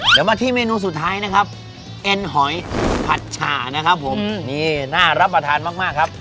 เดี๋ยวมาที่เมนูสุดท้ายนะครับเอ็นหอยผัดฉ่านะครับผมนี่น่ารับประทานมากครับ